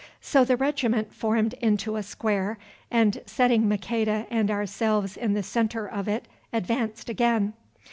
So the regiment formed into a square, and, setting Maqueda and ourselves in the centre of it, advanced again.